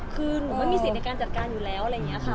คือหนูไม่มีสิทธิ์ในการจัดการอยู่แล้วอะไรอย่างนี้ค่ะ